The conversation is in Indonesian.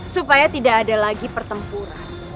supaya tidak ada lagi pertempuran